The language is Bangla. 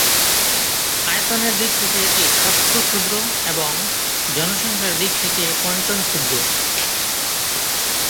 আয়তনের দিক থেকে এটি ষষ্ঠ ক্ষুদ্র এবং জনসংখ্যার দিক থেকে পঞ্চম ক্ষুদ্র।